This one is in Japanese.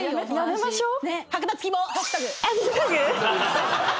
やめましょう。